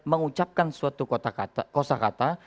mengucapkan suatu kosa kata